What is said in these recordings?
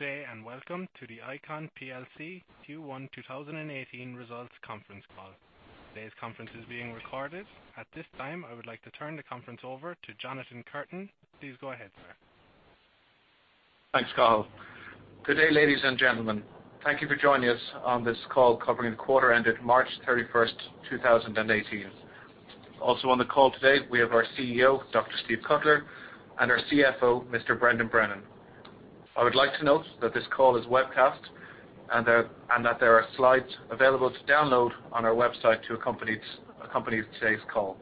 Good day, welcome to the ICON plc Q1 2018 results conference call. Today's conference is being recorded. At this time, I would like to turn the conference over to Jonathan Curtin. Please go ahead, sir. Thanks, Carl. Good day, ladies and gentlemen. Thank you for joining us on this call covering the quarter ended March 31st, 2018. Also on the call today, we have our CEO, Dr. Steve Cutler, and our CFO, Mr. Brendan Brennan. I would like to note that this call is webcast that there are slides available to download on our website to accompany today's call.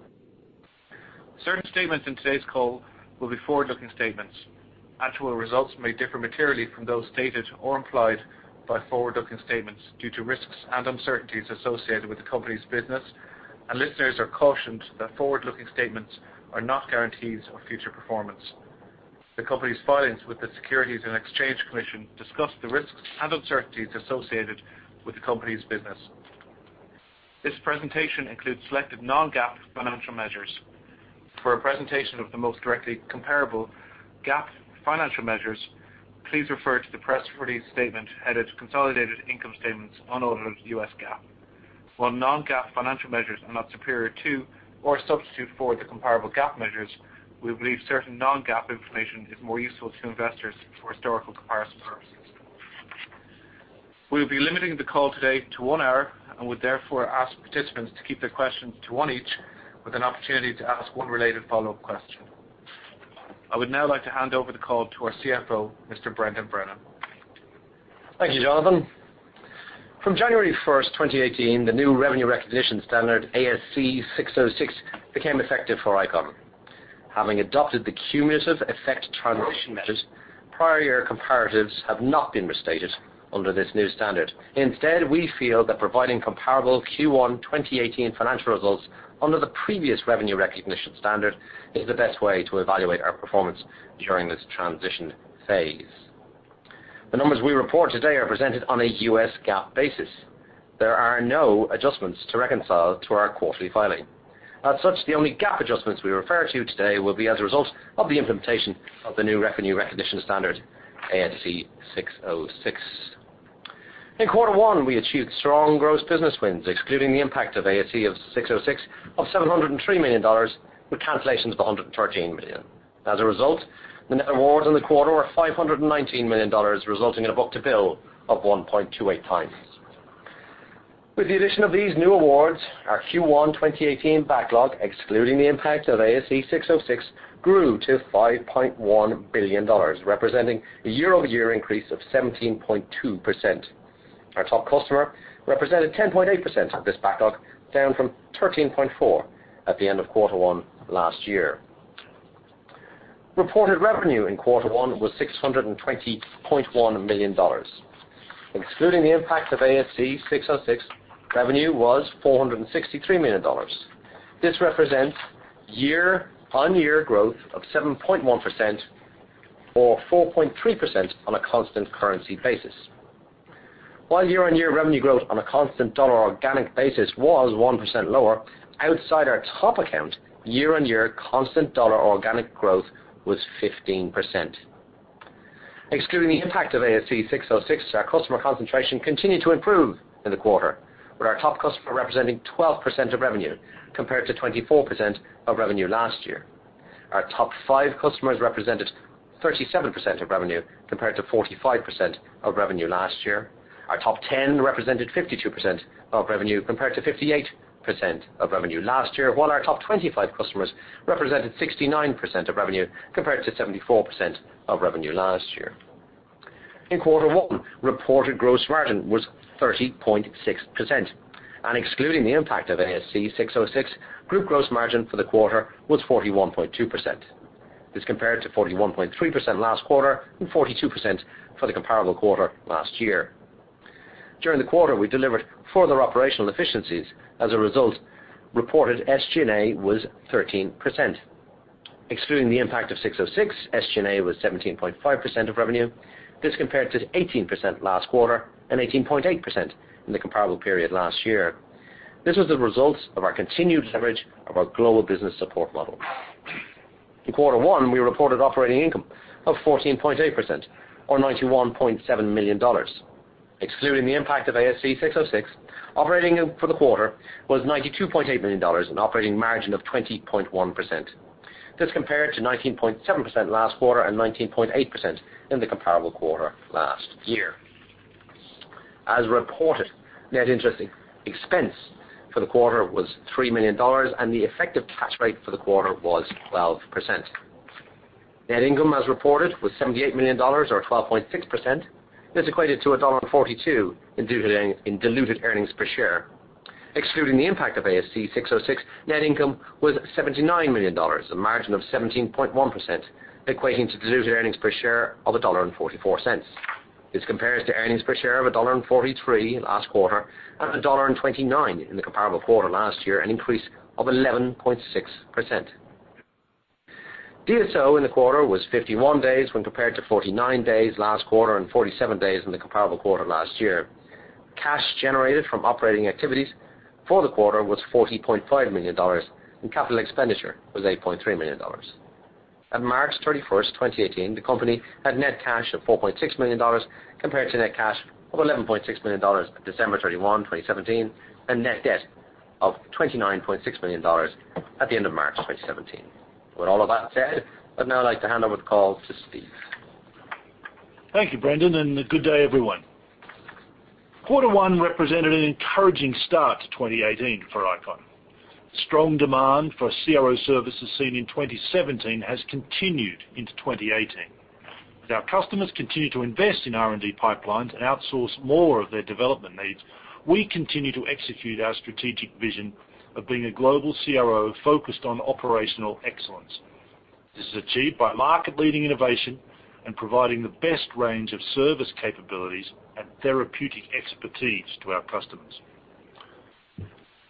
Certain statements in today's call will be forward-looking statements. Actual results may differ materially from those stated or implied by forward-looking statements due to risks and uncertainties associated with the company's business, listeners are cautioned that forward-looking statements are not guarantees of future performance. The company's filings with the Securities and Exchange Commission discuss the risks and uncertainties associated with the company's business. This presentation includes selected non-GAAP financial measures. For a presentation of the most directly comparable GAAP financial measures, please refer to the press release statement headed Consolidated Income Statements on audited U.S. GAAP. While non-GAAP financial measures are not superior to or substitute for the comparable GAAP measures, we believe certain non-GAAP information is more useful to investors for historical comparison purposes. We'll be limiting the call today to one hour and would therefore ask participants to keep their questions to one each, with an opportunity to ask one related follow-up question. I would now like to hand over the call to our CFO, Mr. Brendan Brennan. Thank you, Jonathan. From January 1st, 2018, the new revenue recognition standard, ASC 606, became effective for ICON. Having adopted the cumulative effect transition methods, prior year comparatives have not been restated under this new standard. Instead, we feel that providing comparable Q1 2018 financial results under the previous revenue recognition standard is the best way to evaluate our performance during this transition phase. The numbers we report today are presented on a U.S. GAAP basis. There are no adjustments to reconcile to our quarterly filing. As such, the only GAAP adjustments we refer to today will be as a result of the implementation of the new revenue recognition standard, ASC 606. In quarter one, we achieved strong gross business wins, excluding the impact of ASC 606, of $703 million, with cancellations of $113 million. The net awards in the quarter were $590 million, resulting in a book-to-bill of 1.28x. With the addition of these new awards, our Q1 2018 backlog, excluding the impact of ASC 606, grew to $5.1 billion, representing a year-over-year increase of 17.2%. Our top customer represented 10.8% of this backlog, down from 13.4% at the end of quarter one last year. Reported revenue in quarter one was $620.1 million. Excluding the impact of ASC 606, revenue was $463 million. This represents year-on-year growth of 7.1%, or 4.3% on a constant currency basis. While year-on-year revenue growth on a constant dollar organic basis was 1% lower, outside our top account, year-on-year constant dollar organic growth was 15%. Excluding the impact of ASC 606, our customer concentration continued to improve in the quarter, with our top customer representing 12% of revenue, compared to 24% of revenue last year. Our top five customers represented 37% of revenue, compared to 45% of revenue last year. Our top 10 represented 52% of revenue compared to 58% of revenue last year, while our top 25 customers represented 69% of revenue compared to 74% of revenue last year. In quarter one, reported gross margin was 30.6%, and excluding the impact of ASC 606, group gross margin for the quarter was 41.2%. This compared to 41.3% last quarter and 42% for the comparable quarter last year. During the quarter, we delivered further operational efficiencies. reported SG&A was 13%. Excluding the impact of 606, SG&A was 17.5% of revenue. This compared to 18% last quarter and 18.8% in the comparable period last year. This was the result of our continued leverage of our global business support model. In quarter one, we reported operating income of 14.8%, or $91.7 million. Excluding the impact of ASC 606, operating for the quarter was $92.8 million, an operating margin of 20.1%. This compared to 19.7% last quarter and 19.8% in the comparable quarter last year. As reported, net interest expense for the quarter was $3 million, and the effective cash rate for the quarter was 12%. Net income, as reported, was $78 million or 12.6%, and this equated to $1.42 in diluted earnings per share. Excluding the impact of ASC 606, net income was $79 million, a margin of 17.1%, equating to diluted earnings per share of $1.44. This compares to earnings per share of $1.43 last quarter and $1.29 in the comparable quarter last year, an increase of 11.6%. DSO in the quarter was 51 days when compared to 49 days last quarter and 47 days in the comparable quarter last year. Cash generated from operating activities for the quarter was $40.5 million, and capital expenditure was $8.3 million. At March 31st, 2018, the company had net cash of $4.6 million compared to net cash of $11.6 million at December 31, 2017, and net debt of $29.6 million at the end of March 2017. I'd now like to hand over the call to Steve. Thank you, Brendan, and good day everyone. Quarter one represented an encouraging start to 2018 for ICON. Strong demand for CRO services seen in 2017 has continued into 2018. As our customers continue to invest in R&D pipelines and outsource more of their development needs, we continue to execute our strategic vision of being a global CRO focused on operational excellence. This is achieved by market-leading innovation and providing the best range of service capabilities and therapeutic expertise to our customers.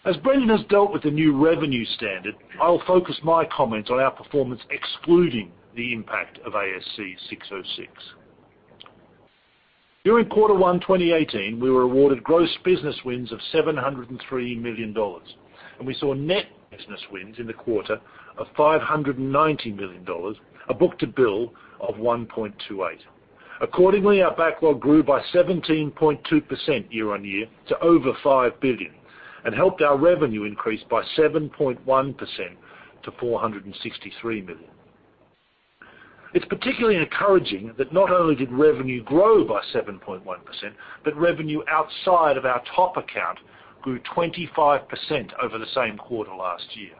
As Brendan has dealt with the new revenue standard, I'll focus my comments on our performance excluding the impact of ASC 606. During quarter one 2018, we were awarded gross business wins of $703 million, and we saw net business wins in the quarter of $590 million, a book-to-bill of 1.28. Accordingly, our backlog grew by 17.2% year-over-year to over $5 billion and helped our revenue increase by 7.1% to $463 million. It's particularly encouraging that not only did revenue grow by 7.1%, revenue outside of our top account grew 25% over the same quarter last year.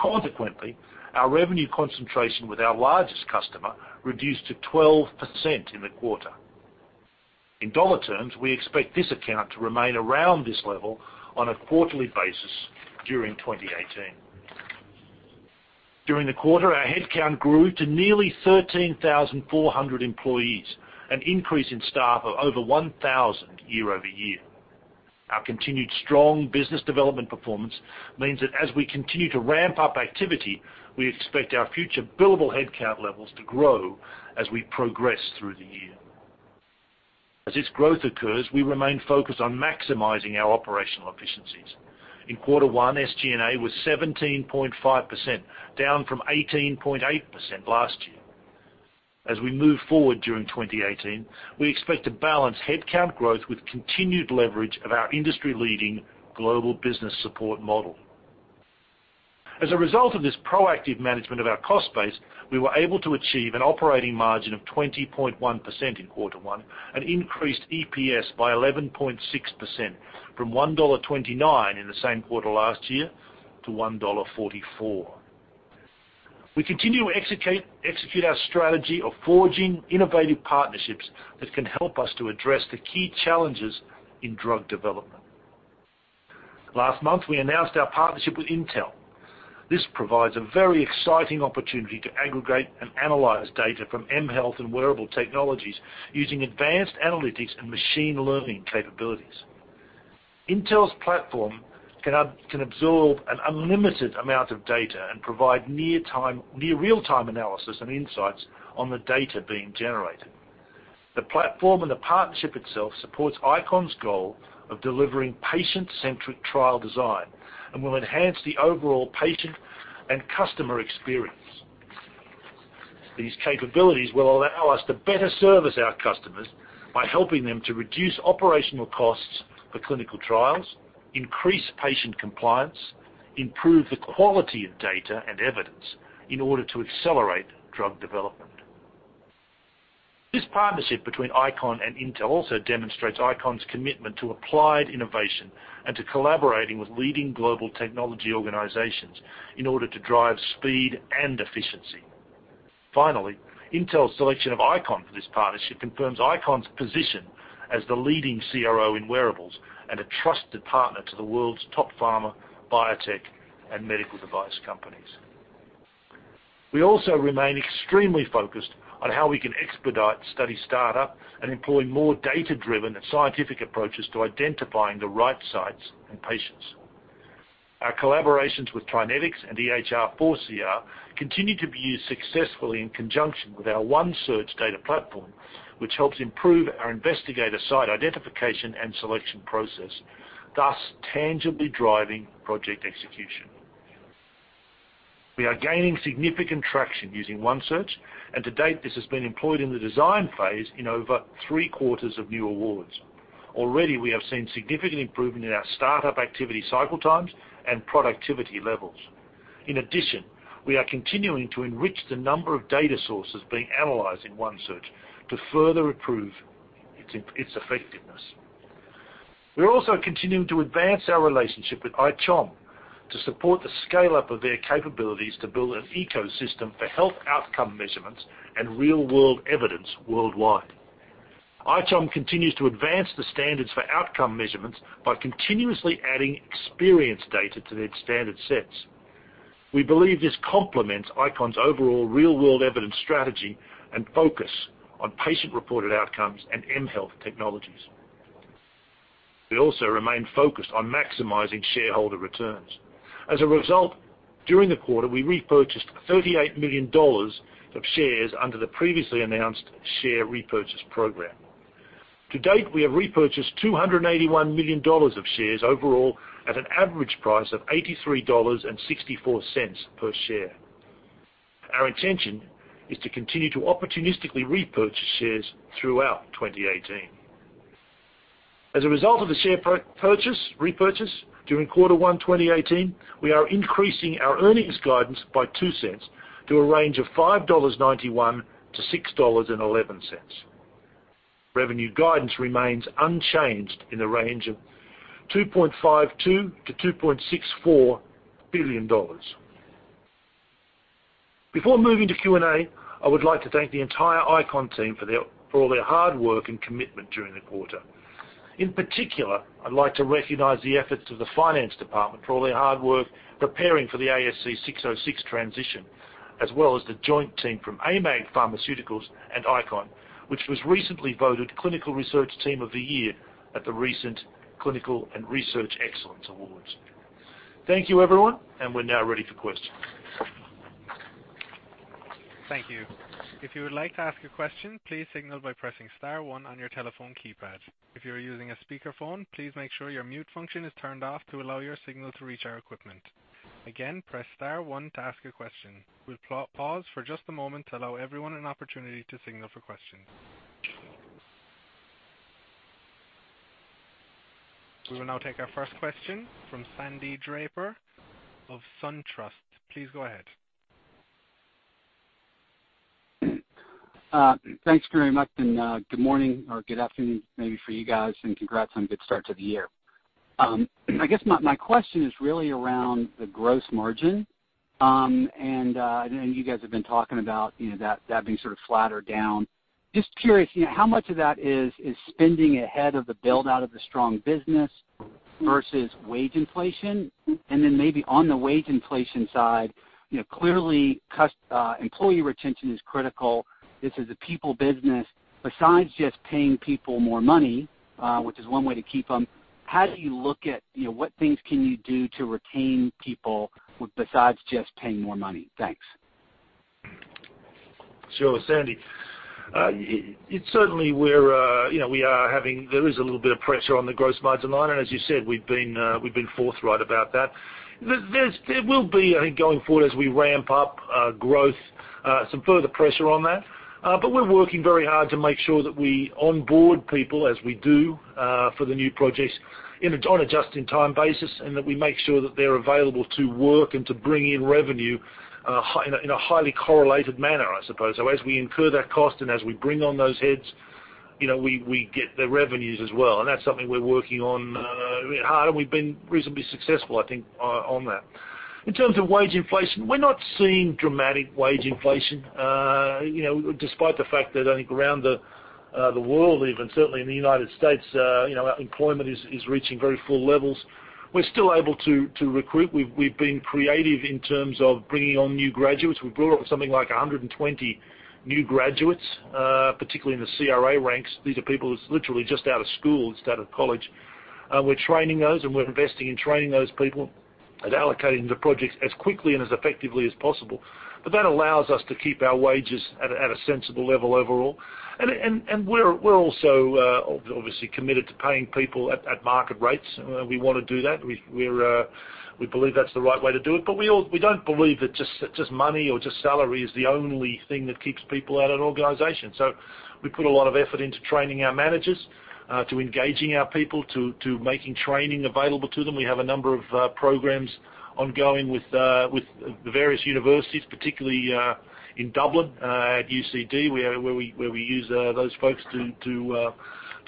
Consequently, our revenue concentration with our largest customer reduced to 12% in the quarter. In dollar terms, we expect this account to remain around this level on a quarterly basis during 2018. During the quarter, our headcount grew to nearly 13,400 employees, an increase in staff of over 1,000 year-over-year. Our continued strong business development performance means that as we continue to ramp up activity, we expect our future billable headcount levels to grow as we progress through the year. As this growth occurs, we remain focused on maximizing our operational efficiencies. In quarter one, SG&A was 17.5%, down from 18.8% last year. As we move forward during 2018, we expect to balance headcount growth with continued leverage of our industry-leading global business support model. As a result of this proactive management of our cost base, we were able to achieve an operating margin of 20.1% in quarter one and increased EPS by 11.6%, from $1.29 in the same quarter last year to $1.44. We continue to execute our strategy of forging innovative partnerships that can help us to address the key challenges in drug development. Last month, we announced our partnership with Intel. This provides a very exciting opportunity to aggregate and analyze data from mHealth and wearable technologies using advanced analytics and machine learning capabilities. Intel's platform can absorb an unlimited amount of data and provide near real-time analysis and insights on the data being generated. The platform and the partnership itself supports ICON's goal of delivering patient-centric trial design and will enhance the overall patient and customer experience. These capabilities will allow us to better service our customers by helping them to reduce operational costs for clinical trials, increase patient compliance, improve the quality of data and evidence in order to accelerate drug development. This partnership between ICON and Intel also demonstrates ICON's commitment to applied innovation and to collaborating with leading global technology organizations in order to drive speed and efficiency. Finally, Intel's selection of ICON for this partnership confirms ICON's position as the leading CRO in wearables and a trusted partner to the world's top pharma, biotech, and medical device companies. We also remain extremely focused on how we can expedite study startup and employ more data-driven and scientific approaches to identifying the right sites and patients. Our collaborations with TriNetX and EHR4CR continue to be used successfully in conjunction with our OneSearch data platform, which helps improve our investigator site identification and selection process, thus tangibly driving project execution. We are gaining significant traction using OneSearch, and to date, this has been employed in the design phase in over three-quarters of new awards. Already, we have seen significant improvement in our startup activity cycle times and productivity levels. In addition, we are continuing to enrich the number of data sources being analyzed in OneSearch to further improve its effectiveness. We are also continuing to advance our relationship with ICHOM to support the scale-up of their capabilities to build an ecosystem for health outcome measurements and real-world evidence worldwide. ICHOM continues to advance the standards for outcome measurements by continuously adding experience data to their standard sets. We believe this complements ICON's overall real-world evidence strategy and focus on patient-reported outcomes and mHealth technologies. We also remain focused on maximizing shareholder returns. As a result, during the quarter, we repurchased $38 million of shares under the previously announced share repurchase program. To date, we have repurchased $281 million of shares overall at an average price of $83.64 per share. Our intention is to continue to opportunistically repurchase shares throughout 2018. As a result of the share repurchase during quarter one 2018, we are increasing our earnings guidance by $0.02 to a range of $5.91-$6.11. Revenue guidance remains unchanged in the range of $2.52 billion-$2.64 billion. Before moving to Q&A, I would like to thank the entire ICON team for all their hard work and commitment during the quarter. In particular, I'd like to recognize the efforts of the finance department for all their hard work preparing for the ASC 606 transition, as well as the joint team from AMAG Pharmaceuticals and ICON, which was recently voted Clinical Research Team of the Year at the recent Clinical and Research Excellence Awards. Thank you everyone, and we're now ready for questions. Thank you. If you would like to ask a question, please signal by pressing star one on your telephone keypad. If you are using a speakerphone, please make sure your mute function is turned off to allow your signal to reach our equipment. Again, press star one to ask a question. We'll pause for just a moment to allow everyone an opportunity to signal for questions. We will now take our first question from Sandy Draper of SunTrust. Please go ahead. Thanks very much. Good morning or good afternoon, maybe for you guys, and congrats on a good start to the year. I guess my question is really around the gross margin. I know you guys have been talking about that being sort of flattered down. Just curious, how much of that is spending ahead of the build-out of the strong business versus wage inflation? Then maybe on the wage inflation side, clearly employee retention is critical. This is a people business. Besides just paying people more money, which is one way to keep them, how do you look at what things can you do to retain people besides just paying more money? Thanks. Sure, Sandy. Certainly there is a little bit of pressure on the gross margin line, and as you said, we've been forthright about that. There will be, I think, going forward as we ramp up growth, some further pressure on that. We're working very hard to make sure that we onboard people as we do for the new projects on a just-in-time basis, and that we make sure that they're available to work and to bring in revenue in a highly correlated manner, I suppose. As we incur that cost and as we bring on those heads, we get the revenues as well. That's something we're working on hard, and we've been reasonably successful, I think, on that. In terms of wage inflation, we're not seeing dramatic wage inflation. Despite the fact that I think around the world even, certainly in the U.S., employment is reaching very full levels. We're still able to recruit. We've been creative in terms of bringing on new graduates. We brought up something like 120 new graduates, particularly in the CRA ranks. These are people who's literally just out of school, just out of college. We're training those, and we're investing in training those people and allocating the projects as quickly and as effectively as possible. That allows us to keep our wages at a sensible level overall. We're also obviously committed to paying people at market rates. We want to do that. We believe that's the right way to do it. We don't believe that just money or just salary is the only thing that keeps people at an organization. We put a lot of effort into training our managers, to engaging our people, to making training available to them. We have a number of programs ongoing with the various universities, particularly in Dublin at UCD, where we use those folks to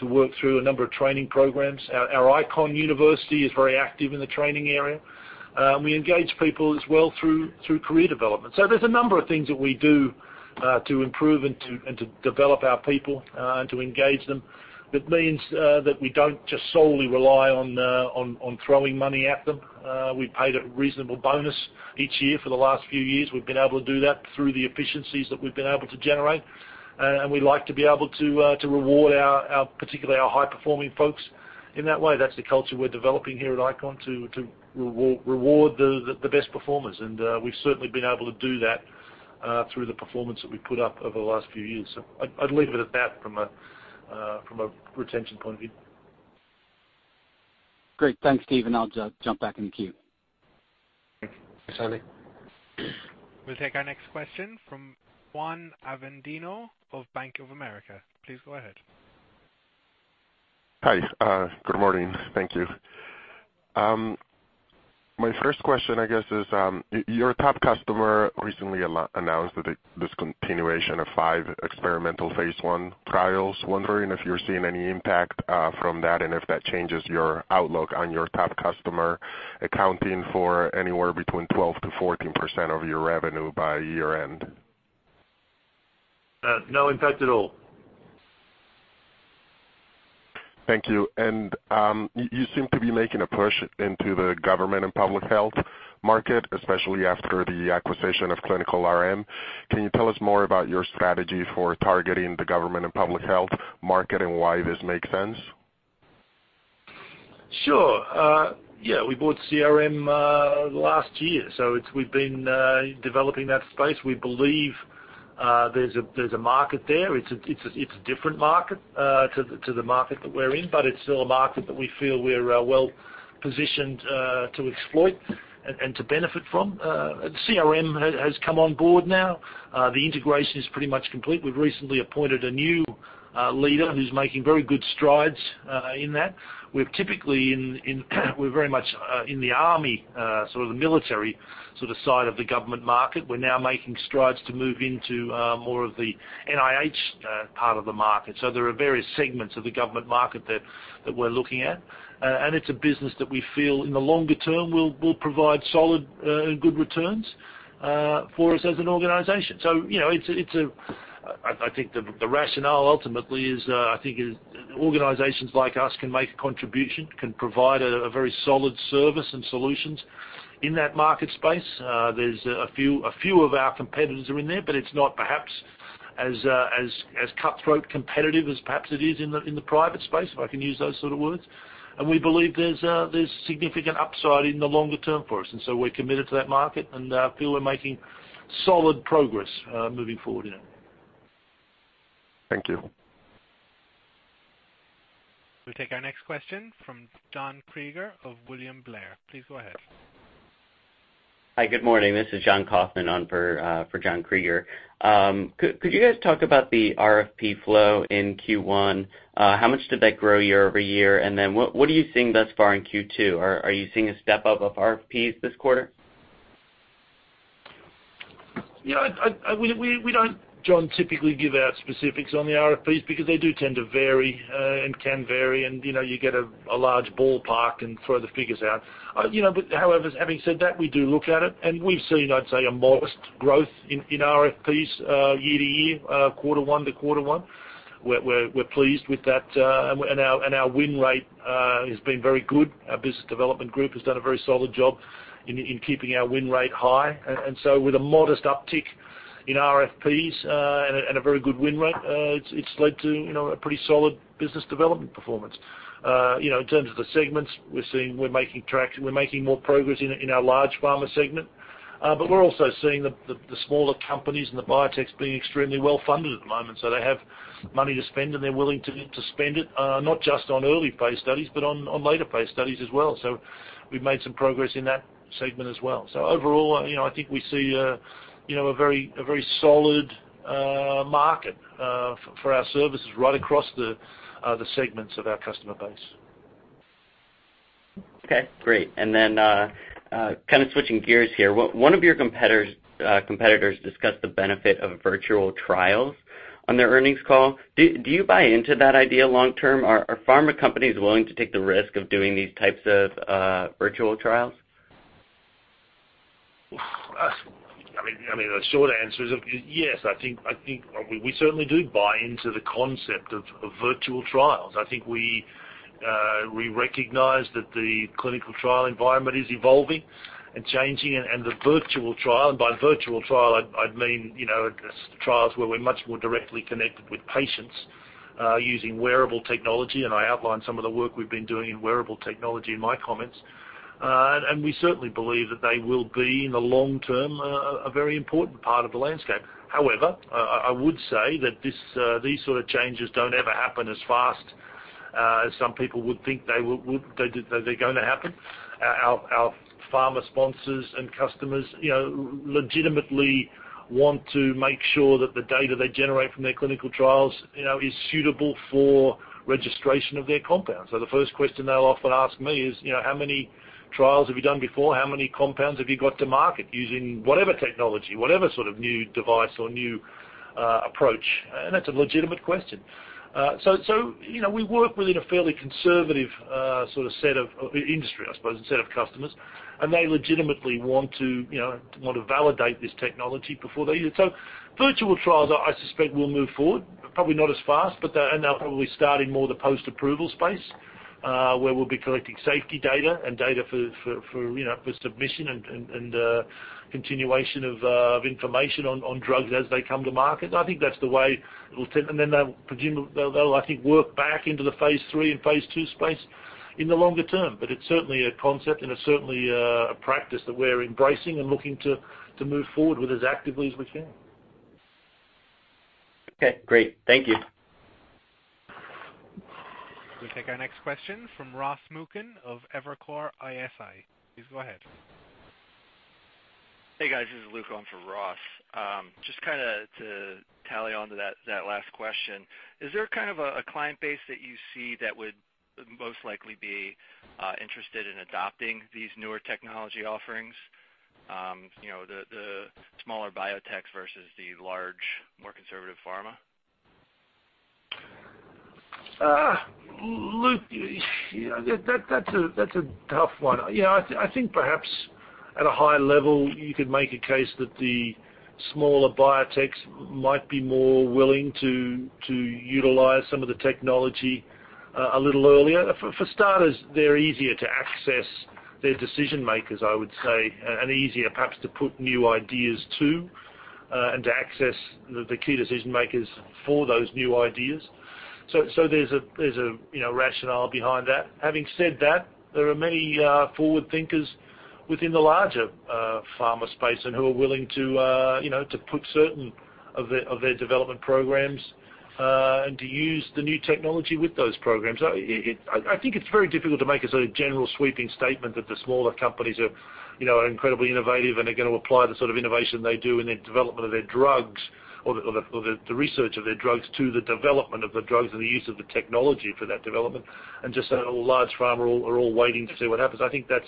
work through a number of training programs. Our ICON University is very active in the training area. We engage people as well through career development. There's a number of things that we do to improve and to develop our people, to engage them. That means that we don't just solely rely on throwing money at them. We paid a reasonable bonus each year for the last few years. We've been able to do that through the efficiencies that we've been able to generate, and we like to be able to reward particularly our high-performing folks in that way. That's the culture we're developing here at ICON to reward the best performers. We've certainly been able to do that through the performance that we put up over the last few years. I'd leave it at that from a retention point of view. Great. Thanks, Steve. I'll jump back in the queue. Thanks, Sandy. We'll take our next question from Juan Avendano of Bank of America. Please go ahead. Hi. Good morning. Thank you. My first question, I guess, is your top customer recently announced the discontinuation of five experimental phase I trials. Wondering if you're seeing any impact from that and if that changes your outlook on your top customer accounting for anywhere between 12%-14% of your revenue by year-end. No impact at all. Thank you. You seem to be making a push into the government and public health market, especially after the acquisition of ClinicalRM. Can you tell us more about your strategy for targeting the government and public health market, and why this makes sense? Sure. We bought CRM last year. We've been developing that space. We believe there's a market there. It's a different market to the market that we're in, but it's still a market that we feel we're well-positioned to exploit and to benefit from. CRM has come on board now. The integration is pretty much complete. We've recently appointed a new leader who's making very good strides in that. We're very much in the army, the military side of the government market. We're now making strides to move into more of the NIH part of the market. There are various segments of the government market that we're looking at. It's a business that we feel, in the longer term, will provide solid good returns for us as an organization. I think the rationale ultimately is, I think organizations like us can make a contribution, can provide a very solid service and solutions in that market space. A few of our competitors are in there, but it's not perhaps as cutthroat competitive as perhaps it is in the private space, if I can use those sort of words. We believe there's significant upside in the longer term for us. We're committed to that market, and feel we're making solid progress moving forward in it. Thank you. We'll take our next question from John Kreger of William Blair. Please go ahead. Hi. Good morning. This is Jonathan Kaufman on for John Kreger. Could you guys talk about the RFP flow in Q1? How much did that grow year-over-year? What are you seeing thus far in Q2? Are you seeing a step up of RFPs this quarter? We don't, John, typically give out specifics on the RFPs because they do tend to vary and can vary and you get a large ballpark and throw the figures out. However, having said that, we do look at it, and we've seen, I'd say, a modest growth in RFPs year-to-year, quarter one to quarter one. We're pleased with that. Our win rate has been very good. Our business development group has done a very solid job in keeping our win rate high. With a modest uptick in RFPs and a very good win rate, it's led to a pretty solid business development performance. In terms of the segments, we're making more progress in our large pharma segment. We're also seeing the smaller companies and the biotechs being extremely well-funded at the moment. They have money to spend, and they're willing to spend it, not just on early-phase studies but on later-phase studies as well. We've made some progress in that segment as well. Overall, I think we see a very solid market for our services right across the segments of our customer base. Okay, great. Switching gears here. One of your competitors discussed the benefit of virtual trials on their earnings call. Do you buy into that idea long term? Are pharma companies willing to take the risk of doing these types of virtual trials? The short answer is yes. I think we certainly do buy into the concept of virtual trials. I think we recognize that the clinical trial environment is evolving and changing, the virtual trial, and by virtual trial, I'd mean, trials where we're much more directly connected with patients using wearable technology, and I outlined some of the work we've been doing in wearable technology in my comments. We certainly believe that they will be, in the long term, a very important part of the landscape. However, I would say that these sort of changes don't ever happen as fast as some people would think they're going to happen. Our pharma sponsors and customers legitimately want to make sure that the data they generate from their clinical trials is suitable for registration of their compounds. The first question they'll often ask me is, "How many trials have you done before? How many compounds have you got to market using whatever technology, whatever sort of new device or new approach?" That's a legitimate question. We work within a fairly conservative sort of set of industry, I suppose, a set of customers. They legitimately want to validate this technology before they use it. Virtual trials, I suspect, will move forward, probably not as fast, and they'll probably start in more the post-approval space, where we'll be collecting safety data and data for submission and continuation of information on drugs as they come to market. I think that's the way it will tend. Then they'll, I think, work back into the phase III and phase II space in the longer term. It's certainly a concept, and it's certainly a practice that we're embracing and looking to move forward with as actively as we can. Okay, great. Thank you. We'll take our next question from Ross Muken of Evercore ISI. Please go ahead. Hey, guys. This is Luke on for Ross. Just to tally on to that last question. Is there a client base that you see that would most likely be interested in adopting these newer technology offerings? The smaller biotechs versus the large, more conservative pharma? Luke, that's a tough one. I think perhaps at a high level, you could make a case that the smaller biotechs might be more willing to utilize some of the technology a little earlier. For starters, they're easier to access their decision-makers, I would say, and easier perhaps to put new ideas to. To access the key decision makers for those new ideas. There's a rationale behind that. Having said that, there are many forward thinkers within the larger pharma space and who are willing to put certain of their development programs and to use the new technology with those programs. I think it's very difficult to make a sort of general sweeping statement that the smaller companies are incredibly innovative and are going to apply the sort of innovation they do in their development of their drugs or the research of their drugs to the development of the drugs and the use of the technology for that development, and just large pharma are all waiting to see what happens. I think that's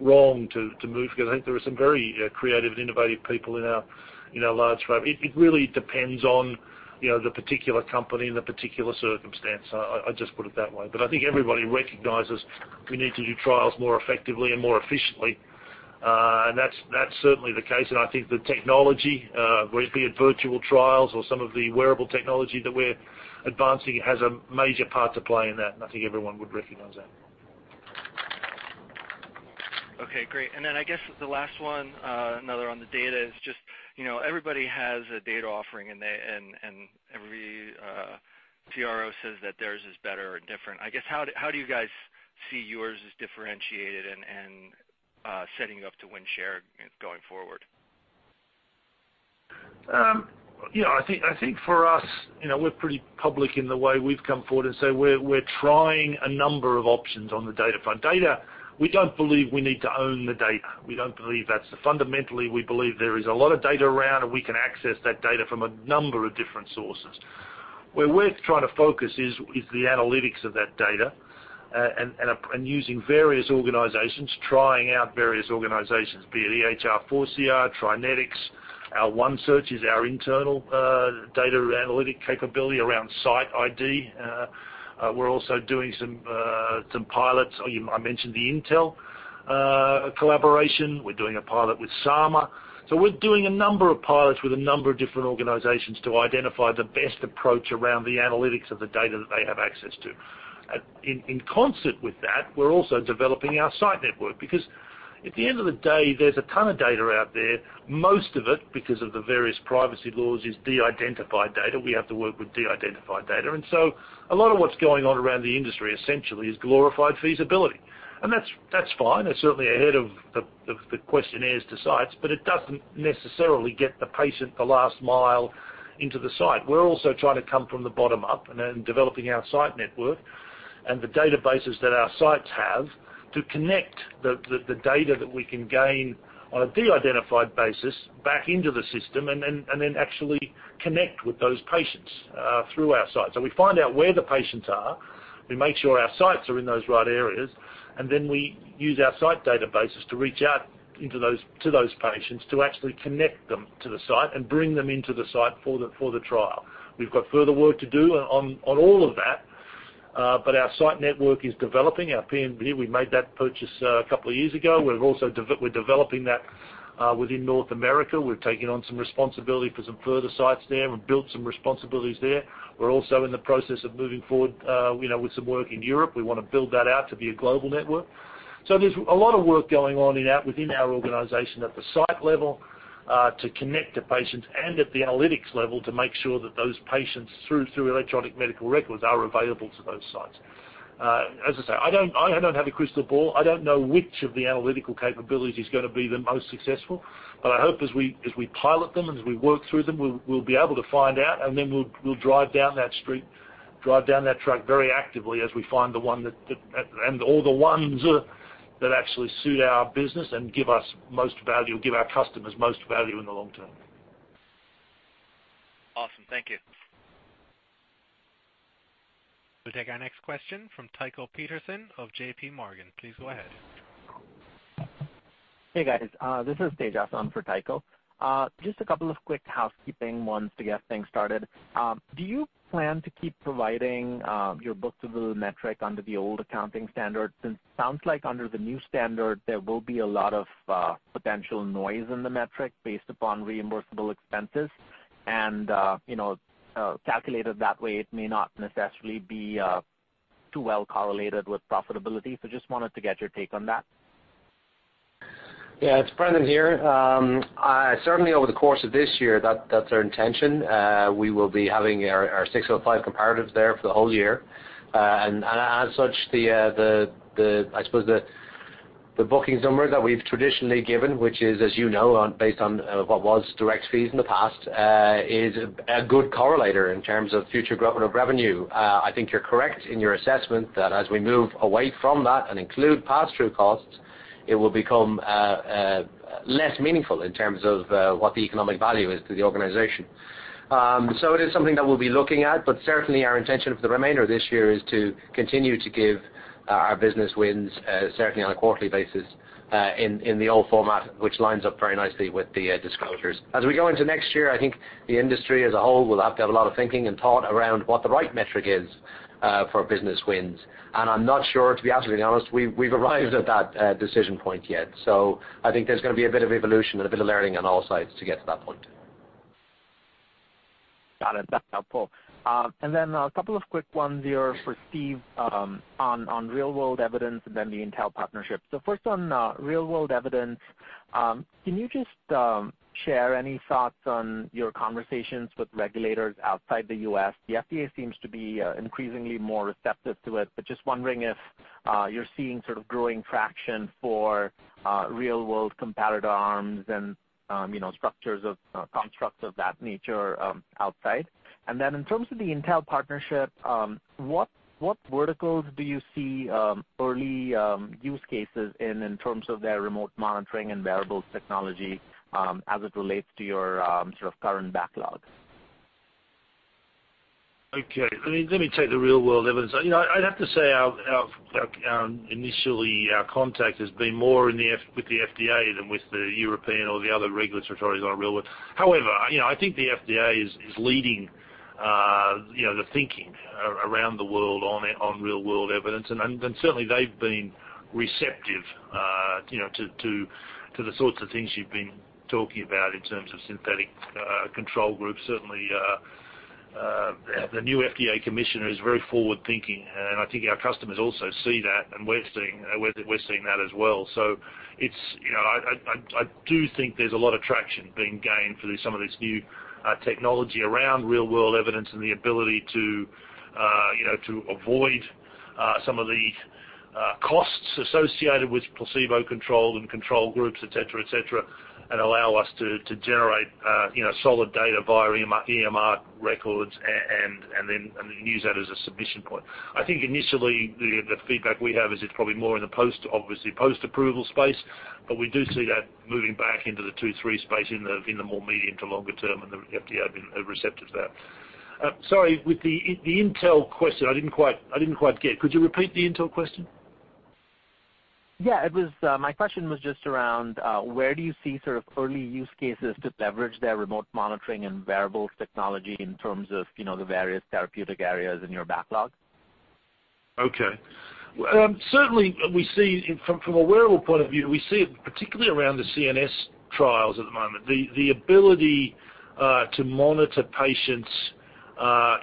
wrong to move, because I think there are some very creative and innovative people in our large pharma. It really depends on the particular company and the particular circumstance. I just put it that way. I think everybody recognizes we need to do trials more effectively and more efficiently. That's certainly the case, and I think the technology, whether it be a virtual trials or some of the wearable technology that we're advancing, has a major part to play in that, and I think everyone would recognize that. Okay, great. I guess the last one, another on the data is just, everybody has a data offering and every CRO says that theirs is better and different. How do you guys see yours as differentiated and setting you up to win share going forward? For us, we're pretty public in the way we've come forward and say we're trying a number of options on the data front. Data, we don't believe we need to own the data. Fundamentally, we believe there is a lot of data around, and we can access that data from a number of different sources. Where we're trying to focus is the analytics of that data, and using various organizations, trying out various organizations, be it EHR4CR, TriNetX. Our OneSearch is our internal data analytic capability around site ID. We're also doing some pilots. I mentioned the Intel collaboration. We're doing a pilot with Saama. We're doing a number of pilots with a number of different organizations to identify the best approach around the analytics of the data that they have access to. In concert with that, we're also developing our site network, because at the end of the day, there's a ton of data out there. Most of it, because of the various privacy laws, is de-identified data. We have to work with de-identified data. A lot of what's going on around the industry essentially is glorified feasibility. That's fine. It's certainly ahead of the questionnaires to sites, but it doesn't necessarily get the patient the last mile into the site. We're also trying to come from the bottom up and developing our site network and the databases that our sites have to connect the data that we can gain on a de-identified basis back into the system and then actually connect with those patients through our sites. We find out where the patients are, we make sure our sites are in those right areas, and then we use our site databases to reach out to those patients to actually connect them to the site and bring them into the site for the trial. We've got further work to do on all of that. Our site network is developing. Our PMG Research, we made that purchase a couple of years ago. We're developing that within North America. We've taken on some responsibility for some further sites there and built some responsibilities there. We're also in the process of moving forward with some work in Europe. We want to build that out to be a global network. There's a lot of work going on within our organization at the site level to connect to patients and at the analytics level to make sure that those patients, through electronic medical records, are available to those sites. As I say, I don't have a crystal ball. I don't know which of the analytical capabilities is going to be the most successful. I hope as we pilot them and as we work through them, we'll be able to find out, and then we'll drive down that street, drive down that track very actively as we find the one and all the ones that actually suit our business and give us most value, give our customers most value in the long term. Awesome. Thank you. We'll take our next question from Tycho Peterson of JPMorgan. Please go ahead. Hey, guys. This is Tejas on for Tycho. A couple of quick housekeeping ones to get things started. Do you plan to keep providing your book-to-bill metric under the old accounting standards? Sounds like under the new standard, there will be a lot of potential noise in the metric based upon reimbursable expenses. Calculated that way, it may not necessarily be too well correlated with profitability. Wanted to get your take on that. Yeah. It's Brendan here. Certainly over the course of this year, that's our intention. We will be having our 605 comparatives there for the whole year. As such, I suppose the bookings numbers that we've traditionally given, which is, as you know, based on what was direct fees in the past, is a good correlator in terms of future growth of revenue. I think you're correct in your assessment that as we move away from that and include passthrough costs, it will become less meaningful in terms of what the economic value is to the organization. It is something that we'll be looking at, but certainly our intention for the remainder of this year is to continue to give our business wins, certainly on a quarterly basis, in the old format, which lines up very nicely with the disclosures. As we go into next year, I think the industry as a whole will have to have a lot of thinking and thought around what the right metric is for business wins. I'm not sure, to be absolutely honest, we've arrived at that decision point yet. I think there's going to be a bit of evolution and a bit of learning on all sides to get to that point. Got it. That's helpful. Then a couple of quick ones here for Steve on real-world evidence and then the Intel partnership. First on real-world evidence, can you just share any thoughts on your conversations with regulators outside the U.S.? The FDA seems to be increasingly more receptive to it, but just wondering if you're seeing sort of growing traction for real-world comparator arms and structures of constructs of that nature outside. Then in terms of the Intel partnership, what verticals do you see early use cases in terms of their remote monitoring and wearables technology as it relates to your sort of current backlog? Okay. Let me take the real-world evidence. I'd have to say initially, our contact has been more with the FDA than with the European or the other regulatory authorities on real-world. However, I think the FDA is leading the thinking around the world on real-world evidence. Certainly, they've been receptive to the sorts of things you've been talking about in terms of synthetic control groups. Certainly, the new FDA commissioner is very forward-thinking, and I think our customers also see that, and we're seeing that as well. I do think there's a lot of traction being gained through some of this new technology around real-world evidence and the ability to avoid some of the costs associated with placebo-controlled and control groups, et cetera, and allow us to generate solid data via EMR records and then use that as a submission point. I think initially the feedback we have is it's probably more in the, obviously, post-approval space, but we do see that moving back into the phase II, phase III space in the more medium to longer term, and the FDA have been receptive to that. Sorry, with the Intel question, I didn't quite get. Could you repeat the Intel question? Yeah. My question was just around where do you see sort of early use cases to leverage their remote monitoring and wearables technology in terms of the various therapeutic areas in your backlog? Okay. Certainly, from a wearable point of view, we see it particularly around the CNS trials at the moment. The ability to monitor patients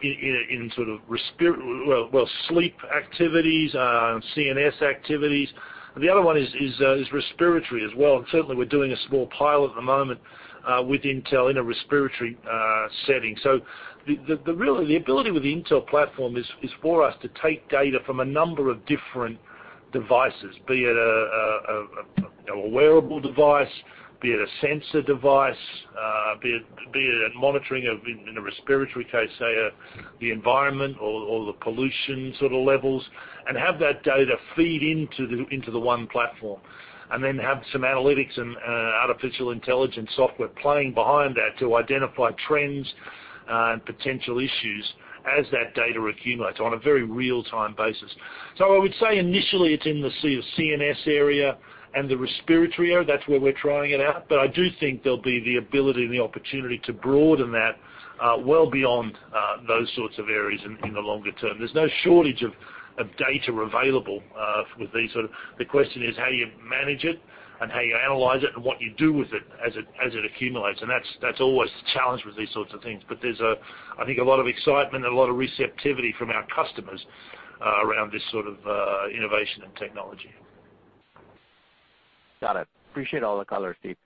in sort of sleep activities, CNS activities. The other one is respiratory as well, and certainly we're doing a small pilot at the moment with Intel in a respiratory setting. The ability with the Intel platform is for us to take data from a number of different devices, be it a wearable device, be it a sensor device, be it monitoring in a respiratory case, say, the environment or the pollution sort of levels, and have that data feed into the one platform. Then have some analytics and artificial intelligence software playing behind that to identify trends and potential issues as that data accumulates on a very real-time basis. I would say initially it's in the CNS area and the respiratory area. That's where we're trying it out. I do think there'll be the ability and the opportunity to broaden that well beyond those sorts of areas in the longer term. There's no shortage of data available with these. The question is how you manage it and how you analyze it and what you do with it as it accumulates, and that's always the challenge with these sorts of things. There's, I think, a lot of excitement and a lot of receptivity from our customers around this sort of innovation and technology. Got it. Appreciate all the color, Steve.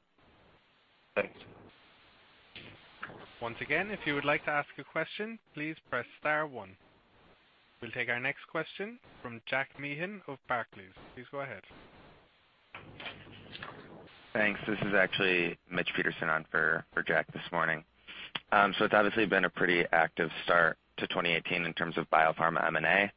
Thanks. Once again, if you would like to ask a question, please press star one. We will take our next question from Jack Meehan of Barclays. Please go ahead. Thanks. This is actually Mitch Peterson on for Jack this morning. It has obviously been a pretty active start to 2018 in terms of biopharma M&A.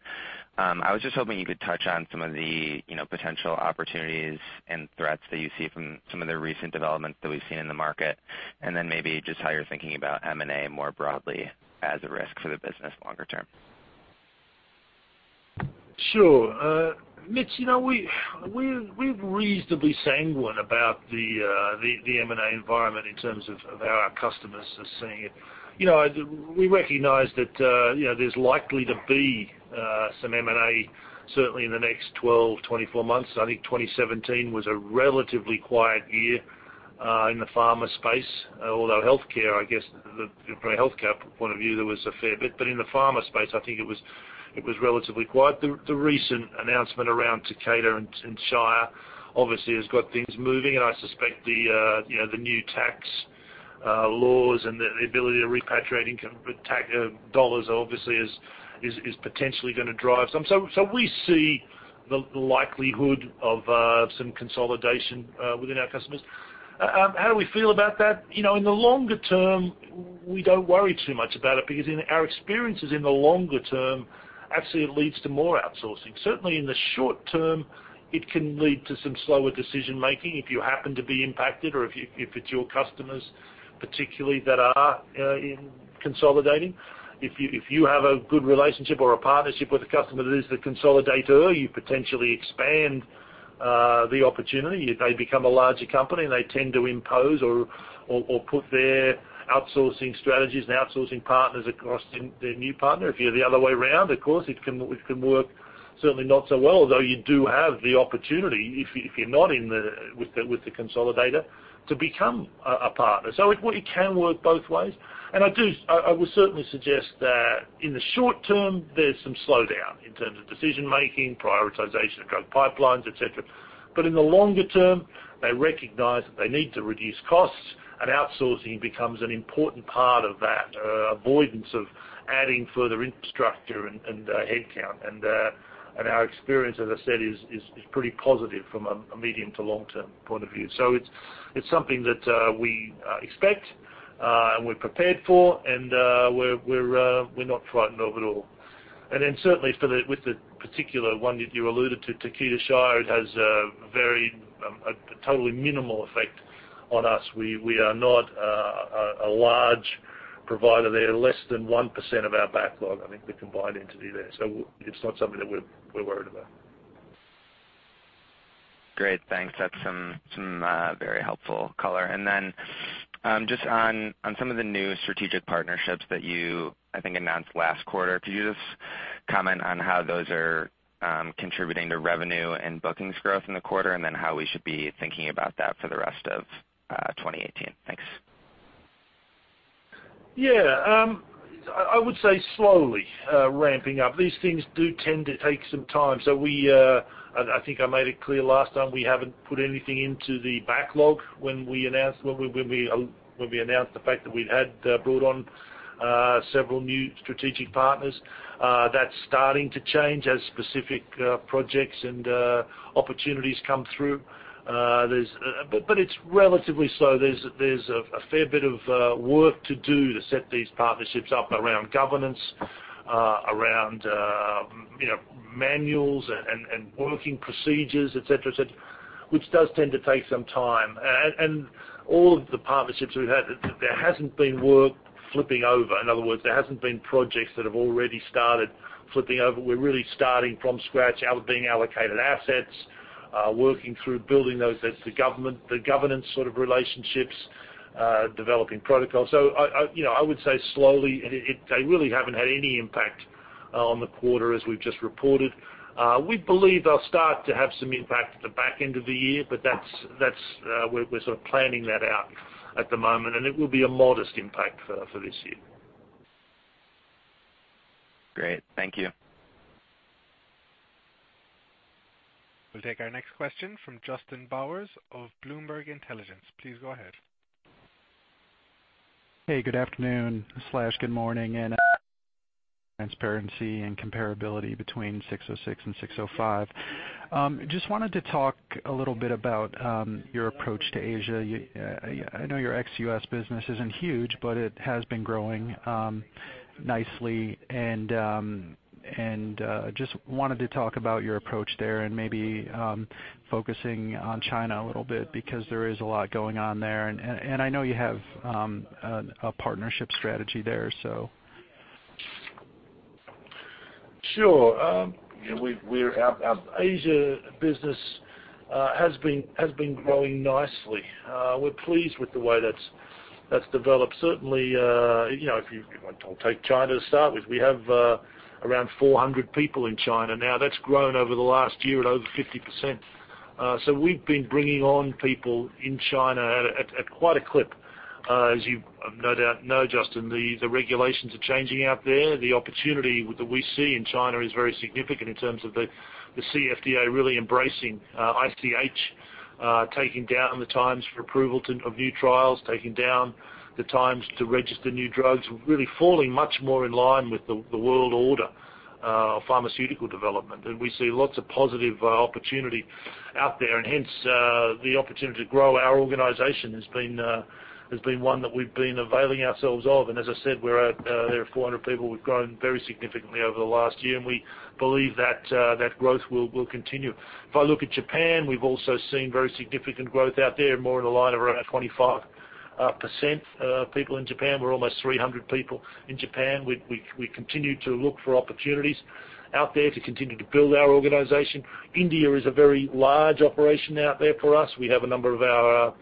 I was just hoping you could touch on some of the potential opportunities and threats that you see from some of the recent developments that we have seen in the market, and then maybe just how you are thinking about M&A more broadly as a risk for the business longer term. Sure. Mitch, we are reasonably sanguine about the M&A environment in terms of how our customers are seeing it. We recognize that there is likely to be some M&A certainly in the next 12, 24 months. I think 2017 was a relatively quiet year in the pharma space. Although health care, I guess, from a health care point of view, there was a fair bit. But in the pharma space, I think it was relatively quiet. The recent announcement around Takeda and Shire obviously has got things moving, and I suspect the new tax laws and the ability to repatriate dollars obviously is potentially going to drive some. We see the likelihood of some consolidation within our customers. How do we feel about that? In the longer term, we do not worry too much about it because in our experiences, in the longer term, absolutely it leads to more outsourcing. Certainly, in the short term, it can lead to some slower decision-making if you happen to be impacted or if it's your customers particularly that are consolidating. If you have a good relationship or a partnership with a customer that is the consolidator, you potentially expand the opportunity. They become a larger company, and they tend to impose or put their outsourcing strategies and outsourcing partners across their new partner. If you're the other way around, of course, it can work not so well, although you do have the opportunity, if you're not with the consolidator, to become a partner. It can work both ways. I would certainly suggest that in the short term, there's some slowdown in terms of decision-making, prioritization of drug pipelines, et cetera. In the longer term, they recognize that they need to reduce costs, outsourcing becomes an important part of that avoidance of adding further infrastructure and headcount. Our experience, as I said, is pretty positive from a medium to long-term point of view. It's something that we expect and we're prepared for, and we're not frightened of at all. Certainly with the particular one that you alluded to, Takeda Shire, it has a totally minimal effect on us. We are not a large provider there. Less than 1% of our backlog, I think, the combined entity there. It's not something that we're worried about. Great. Thanks. That's some very helpful color. Just on some of the new strategic partnerships that you, I think, announced last quarter, could you just comment on how those are contributing to revenue and bookings growth in the quarter, and then how we should be thinking about that for the rest of 2018? Thanks. Yeah. I would say slowly ramping up. These things do tend to take some time. I think I made it clear last time, we haven't put anything into the backlog when we announced the fact that we'd brought on several new strategic partners. That's starting to change as specific projects and opportunities come through. It's relatively slow. There's a fair bit of work to do to set these partnerships up around governance, around manuals and working procedures, et cetera, which does tend to take some time. All of the partnerships we've had, there hasn't been work flipping over. In other words, there hasn't been projects that have already started flipping over. We're really starting from scratch, being allocated assets, working through building those assets, the governance sort of relationships, developing protocols. I would say slowly, they really haven't had any impact on the quarter as we've just reported. We believe they'll start to have some impact at the back end of the year, but we're sort of planning that out at the moment. It will be a modest impact for this year. Great. Thank you. We'll take our next question from Justin Bowers of Bloomberg Intelligence. Please go ahead. Hey, good afternoon/good morning. Transparency and comparability between 606 and 605. Just wanted to talk a little bit about your approach to Asia. I know your ex-U.S. business isn't huge, but it has been growing nicely. Just wanted to talk about your approach there. Maybe focusing on China a little bit because there is a lot going on there. I know you have a partnership strategy there. Sure. Our Asia business has been growing nicely. We're pleased with the way that's developed. Certainly, I'll take China to start with. We have around 400 people in China now. That's grown over the last year at over 50%. We've been bringing on people in China at quite a clip. As you no doubt know, Justin, the regulations are changing out there. The opportunity that we see in China is very significant in terms of the CFDA really embracing ICH, taking down the times for approval of new trials, taking down the times to register new drugs, really falling much more in line with the world order of pharmaceutical development. We see lots of positive opportunity out there, and hence, the opportunity to grow our organization has been one that we've been availing ourselves of. As I said, there are 400 people. We've grown very significantly over the last year, and we believe that growth will continue. If I look at Japan, we've also seen very significant growth out there, more in the line of around 25% of people in Japan. We're almost 300 people in Japan. We continue to look for opportunities out there to continue to build our organization. India is a very large operation out there for us. We have a number of our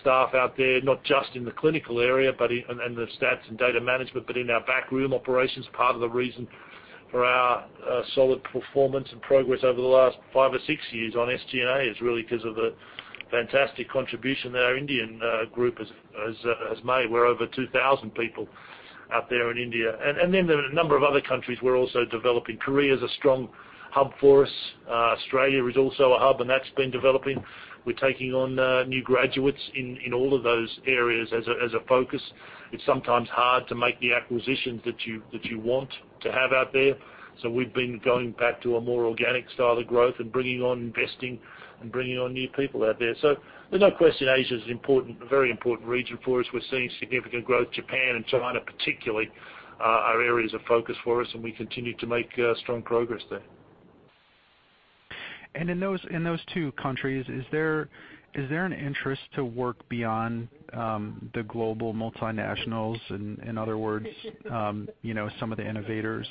staff out there, not just in the clinical area and the stats and data management, but in our backroom operations. Part of the reason for our solid performance and progress over the last five or six years on SG&A is really because of the fantastic contribution that our Indian group has made. We're over 2,000 people out there in India. There are a number of other countries we're also developing. Korea is a strong hub for us. Australia is also a hub, and that's been developing. We're taking on new graduates in all of those areas as a focus. It's sometimes hard to make the acquisitions that you want to have out there. We've been going back to a more organic style of growth and bringing on investing and bringing on new people out there. There's no question Asia is a very important region for us. We're seeing significant growth. Japan and China particularly are areas of focus for us, and we continue to make strong progress there. In those two countries, is there an interest to work beyond the global multinationals? In other words, some of the innovators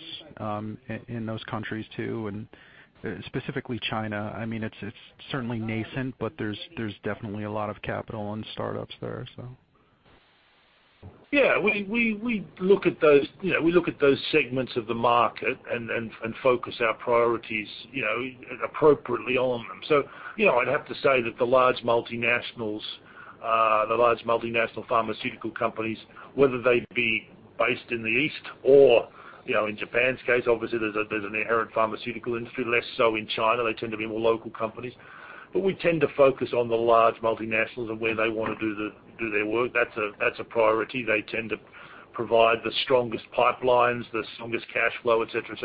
in those countries too, and specifically China. It's certainly nascent, but there's definitely a lot of capital and startups there. Yeah. We look at those segments of the market and focus our priorities appropriately on them. I'd have to say that the large multinationals, the large multinational pharmaceutical companies, whether they be based in the East or in Japan's case, obviously there's an inherent pharmaceutical industry, less so in China. They tend to be more local companies. We tend to focus on the large multinationals and where they want to do their work. That's a priority. They tend to provide the strongest pipelines, the strongest cash flow, et cetera.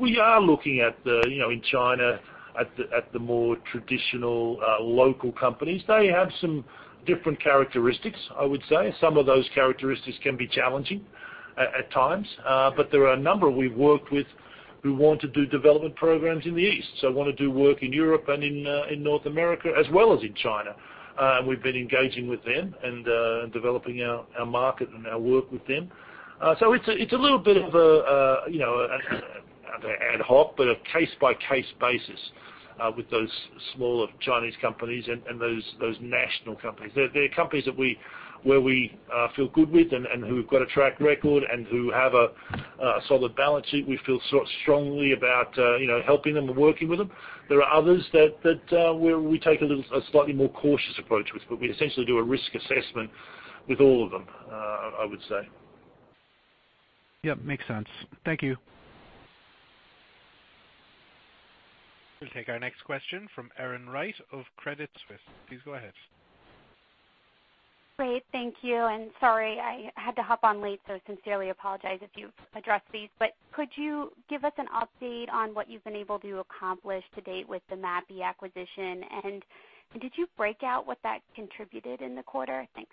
We are looking at the, in China, at the more traditional local companies. They have some different characteristics, I would say. Some of those characteristics can be challenging at times. There are a number we've worked with who want to do development programs in the East, so want to do work in Europe and in North America as well as in China. We've been engaging with them and developing our market and our work with them. It's a little bit of an ad hoc, but a case-by-case basis with those smaller Chinese companies and those national companies. They're companies where we feel good with and who've got a track record and who have a solid balance sheet. We feel strongly about helping them and working with them. There are others that we take a slightly more cautious approach with, but we essentially do a risk assessment with all of them, I would say. Yep, makes sense. Thank you. We'll take our next question from Erin Wright of Credit Suisse. Please go ahead. Great. Thank you, sorry, I had to hop on late, sincerely apologize if you've addressed these. Could you give us an update on what you've been able to accomplish to date with the Mapi acquisition, and did you break out what that contributed in the quarter? Thanks.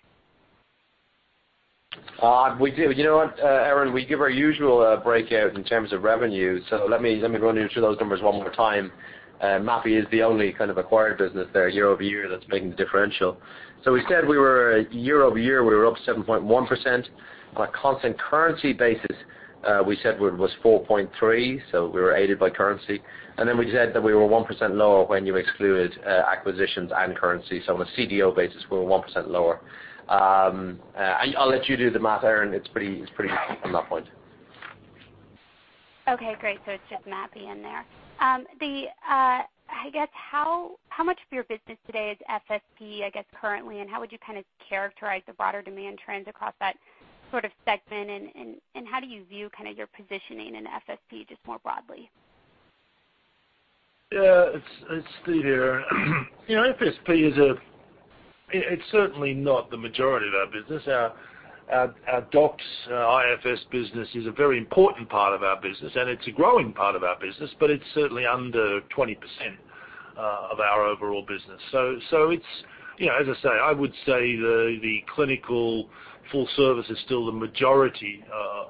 We do. You know what, Erin? We give our usual breakout in terms of revenue. Let me run you through those numbers one more time. Mapi is the only kind of acquired business there year-over-year that's making the differential. We said year-over-year, we were up 7.1%. On a constant currency basis, we said it was 4.3%, we were aided by currency. Then we said that we were 1% lower when you excluded acquisitions and currency. On a CDO basis, we were 1% lower. I'll let you do the math, Erin. It's pretty on that point. Okay, great. It's just Mapi in there. I guess how much of your business today is FSP, I guess, currently, how would you kind of characterize the broader demand trends across that sort of segment, and how do you view your positioning in FSP just more broadly? Yeah, it's Steve here. FSP, it's certainly not the majority of our business. Our DOCS IFS business is a very important part of our business, it's a growing part of our business, but it's certainly under 20% of our overall business. As I say, I would say the clinical full service is still the majority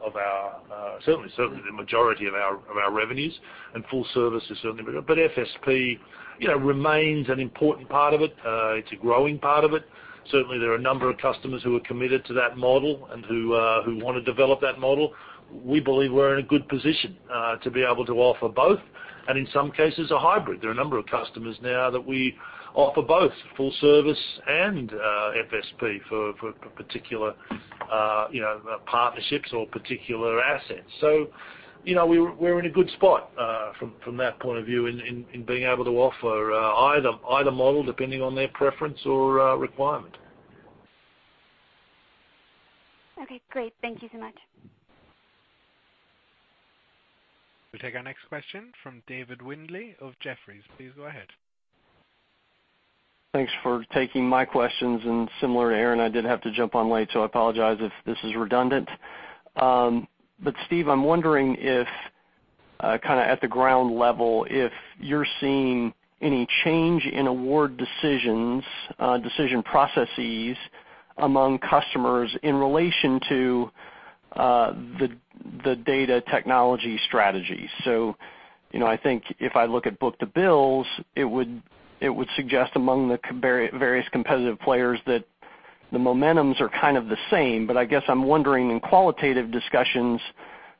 of our, certainly the majority of our revenues, and full service is certainly. FSP remains an important part of it. It's a growing part of it. Certainly, there are a number of customers who are committed to that model and who want to develop that model. We believe we're in a good position to be able to offer both, in some cases, a hybrid. There are a number of customers now that we offer both full service and FSP for particular partnerships or particular assets. We're in a good spot from that point of view in being able to offer either model depending on their preference or requirement. Okay, great. Thank you so much. We'll take our next question from David Windley of Jefferies. Please go ahead. Thanks for taking my questions, and similar to Erin, I did have to jump on late, so I apologize if this is redundant. Steve, I'm wondering if kind of at the ground level, if you're seeing any change in award decisions, decision processes among customers in relation to the data technology strategies. I think if I look at book-to-bills, it would suggest among the various competitive players that the momentums are kind of the same. I guess I'm wondering in qualitative discussions,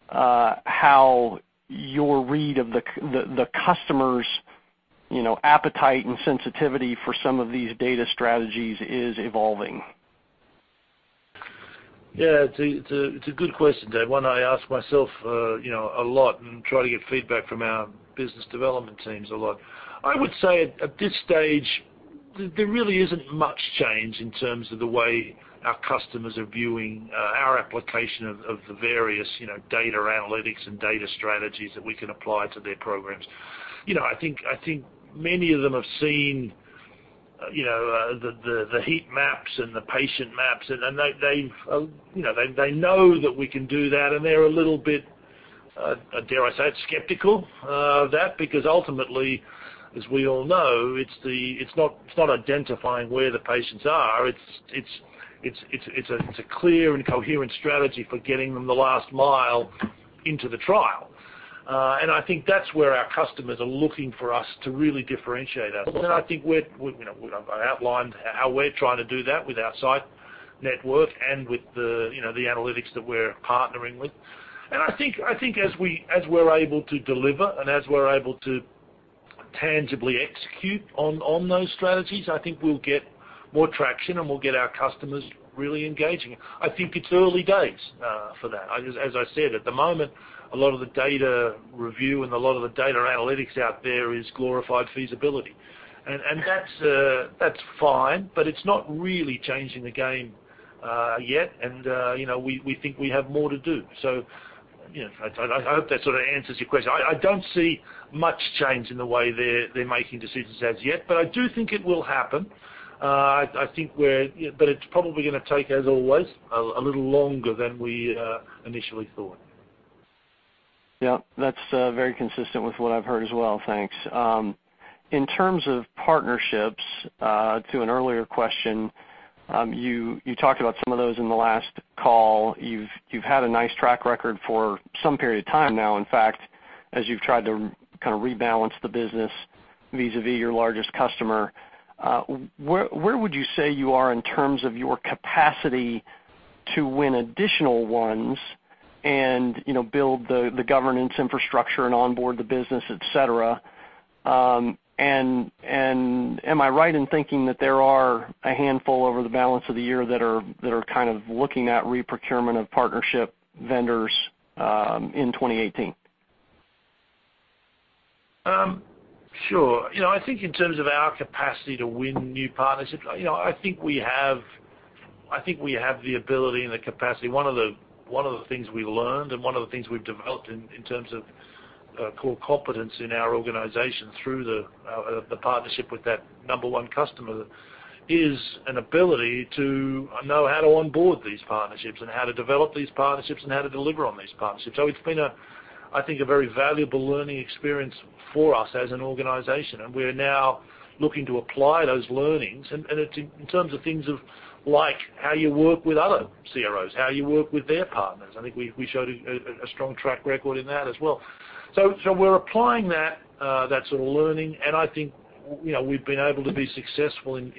how your read of the customer's appetite and sensitivity for some of these data strategies is evolving. Yeah. It's a good question, Dave. One I ask myself a lot and try to get feedback from our business development teams a lot. I would say at this stage, there really isn't much change in terms of the way our customers are viewing our application of the various data analytics and data strategies that we can apply to their programs. I think many of them have seen the heat maps and the patient maps, and they know that we can do that, and they're a little bit, dare I say, skeptical of that, because ultimately, as we all know, it's not identifying where the patients are. It's a clear and coherent strategy for getting them the last mile into the trial. I think that's where our customers are looking for us to really differentiate ourselves. I think I outlined how we're trying to do that with our site network and with the analytics that we're partnering with. I think as we're able to deliver and as we're able to tangibly execute on those strategies, I think we'll get more traction, and we'll get our customers really engaging. I think it's early days for that. As I said, at the moment, a lot of the data review and a lot of the data analytics out there is glorified feasibility. That's fine, but it's not really changing the game yet. We think we have more to do. I hope that sort of answers your question. I don't see much change in the way they're making decisions as yet, but I do think it will happen. It's probably going to take, as always, a little longer than we initially thought. Yeah. That's very consistent with what I've heard as well. Thanks. In terms of partnerships, to an earlier question, you talked about some of those in the last call. You've had a nice track record for some period of time now, in fact, as you've tried to kind of rebalance the business vis-a-vis your largest customer. Where would you say you are in terms of your capacity to win additional ones and build the governance infrastructure and onboard the business, et cetera? Am I right in thinking that there are a handful over the balance of the year that are kind of looking at re-procurement of partnership vendors in 2018? Sure. I think in terms of our capacity to win new partnerships, I think we have the ability and the capacity. One of the things we learned and one of the things we've developed in terms of core competence in our organization through the partnership with that number one customer is an ability to know how to onboard these partnerships and how to develop these partnerships and how to deliver on these partnerships. It's been, I think, a very valuable learning experience for us as an organization, we're now looking to apply those learnings. It's in terms of things of like how you work with other CROs, how you work with their partners. I think we showed a strong track record in that as well. We're applying that sort of learning, I think we've been able to be successful in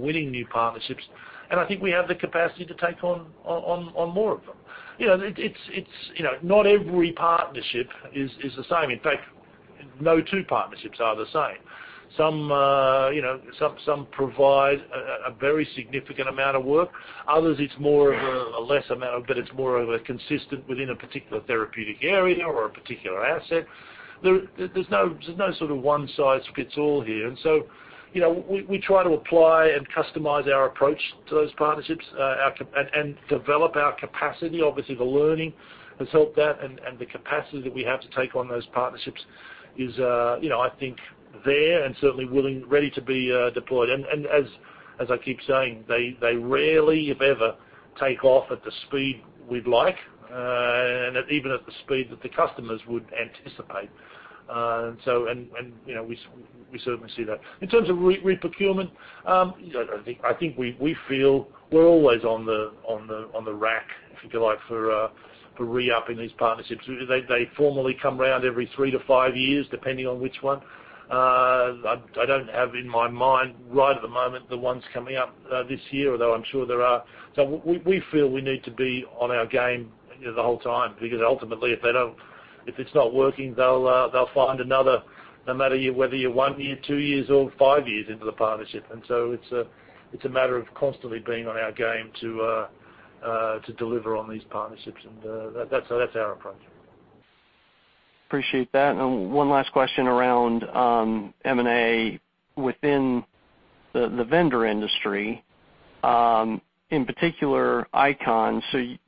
winning new partnerships, I think we have the capacity to take on more of them. Not every partnership is the same. In fact, no two partnerships are the same. Some provide a very significant amount of work. Others, it's more of a less amount, but it's more of a consistent within a particular therapeutic area or a particular asset. There's no sort of one size fits all here. We try to apply and customize our approach to those partnerships, develop our capacity. Obviously, the learning has helped that, the capacity that we have to take on those partnerships is I think there and certainly ready to be deployed. As I keep saying, they rarely, if ever, take off at the speed we'd like, even at the speed that the customers would anticipate. We certainly see that. In terms of re-procurement, I think we feel we're always on the rack, if you like, for re-upping these partnerships. They formally come round every 3-5 years, depending on which one. I don't have in my mind right at the moment the ones coming up this year, although I'm sure there are. We feel we need to be on our game the whole time, because ultimately, if it's not working, they'll find another, no matter whether you're one year, two years, or five years into the partnership. It's a matter of constantly being on our game to deliver on these partnerships. That's our approach. Appreciate that. One last question around M&A within the vendor industry, in particular ICON. Kind of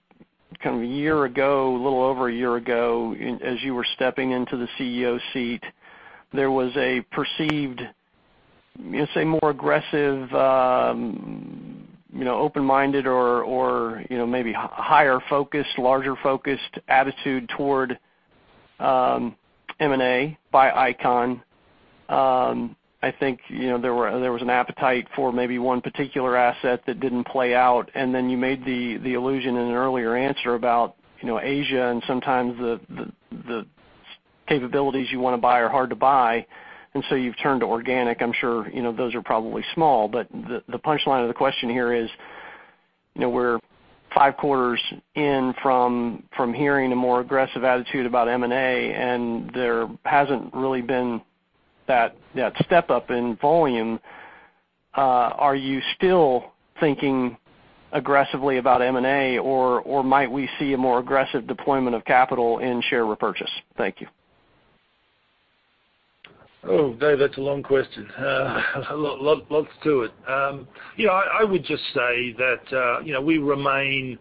a year ago, a little over a year ago, as you were stepping into the CEO seat, there was a perceived, say, more aggressive, open-minded or maybe higher-focused, larger-focused attitude toward M&A by ICON. I think there was an appetite for maybe one particular asset that didn't play out. Then you made the allusion in an earlier answer about Asia and sometimes the capabilities you want to buy are hard to buy, you've turned to organic. I'm sure those are probably small, but the punchline of the question here is, we're five quarters in from hearing a more aggressive attitude about M&A, there hasn't really been that step-up in volume. Are you still thinking aggressively about M&A, or might we see a more aggressive deployment of capital in share repurchase? Thank you. Oh, Dave, that's a long question. Lots to it. I would just say that we remain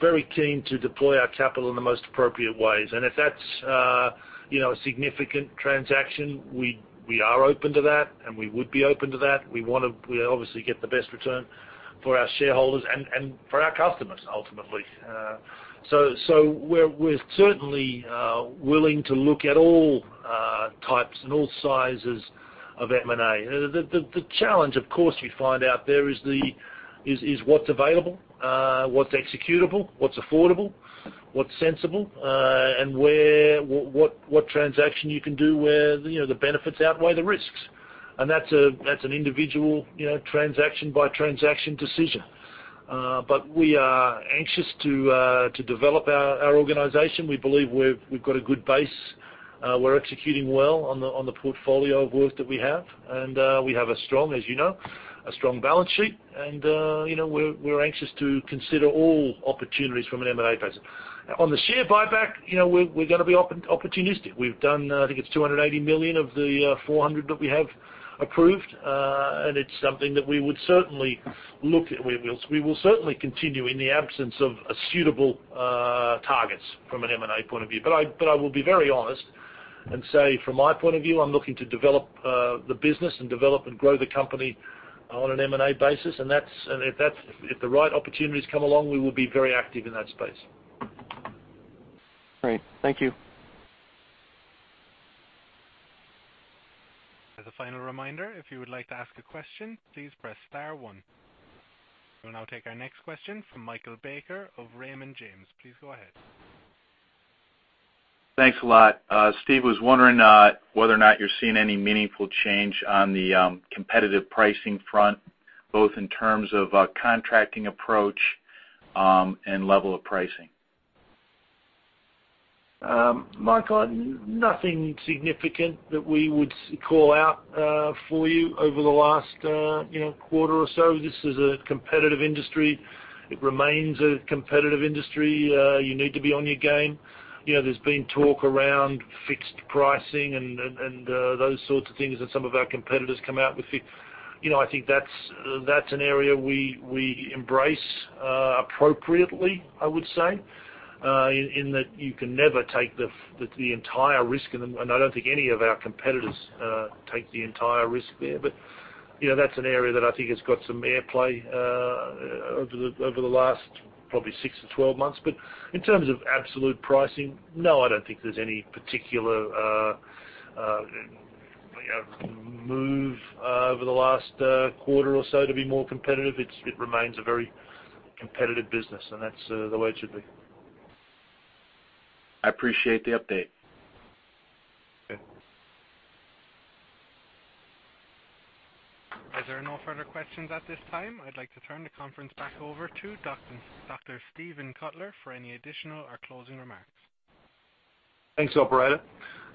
very keen to deploy our capital in the most appropriate ways. If that's a significant transaction, we are open to that and we would be open to that. We obviously get the best return for our shareholders and for our customers, ultimately. We're certainly willing to look at all types and all sizes of M&A. The challenge, of course, you find out there is what's available, what's executable, what's affordable, what's sensible, and what transaction you can do where the benefits outweigh the risks. That's an individual transaction-by-transaction decision. We are anxious to develop our organization. We believe we've got a good base. We're executing well on the portfolio of work that we have, and we have, as you know, a strong balance sheet. We're anxious to consider all opportunities from an M&A basis. On the share buyback, we're going to be opportunistic. We've done, I think it's $280 million of the $400 that we have approved. It's something that we will certainly continue in the absence of suitable targets from an M&A point of view. I will be very honest and say, from my point of view, I'm looking to develop the business and develop and grow the company on an M&A basis. If the right opportunities come along, we will be very active in that space. Great. Thank you. As a final reminder, if you would like to ask a question, please press star one. We'll now take our next question from Michael Baker of Raymond James. Please go ahead. Thanks a lot. Steve, was wondering whether or not you're seeing any meaningful change on the competitive pricing front, both in terms of contracting approach and level of pricing. Michael, nothing significant that we would call out for you over the last quarter or so. This is a competitive industry. It remains a competitive industry. You need to be on your game. There's been talk around fixed pricing and those sorts of things that some of our competitors come out with. I think that's an area we embrace appropriately, I would say, in that you can never take the entire risk, and I don't think any of our competitors take the entire risk there. That's an area that I think has got some airplay over the last probably 6-12 months. In terms of absolute pricing, no, I don't think there's any particular move over the last quarter or so to be more competitive. It remains a very competitive business, and that's the way it should be. I appreciate the update. Okay. As there are no further questions at this time, I'd like to turn the conference back over to Dr. Steve Cutler for any additional or closing remarks. Thanks, operator.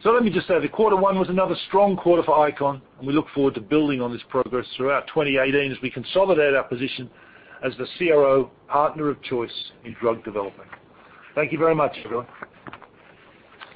Let me just say that quarter one was another strong quarter for ICON, and we look forward to building on this progress throughout 2018 as we consolidate our position as the CRO partner of choice in drug development. Thank you very much, everyone.